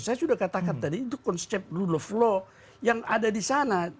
saya sudah katakan tadi itu konsep rule of law yang ada di sana